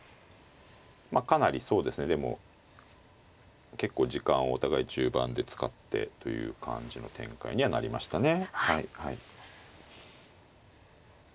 かなりそうですねでも結構時間をお互い中盤で使ってという感じの展開にはなりましたね。